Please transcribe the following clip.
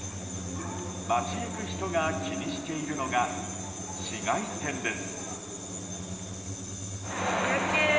街行く人が気にしているのが紫外線です。